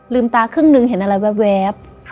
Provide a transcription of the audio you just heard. ตาครึ่งหนึ่งเห็นอะไรแว๊บ